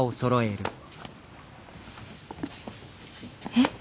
えっ。